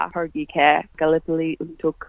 pergi ke gallipoli untuk